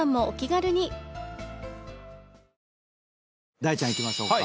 大ちゃんいきましょうか。